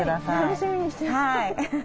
楽しみにしてます。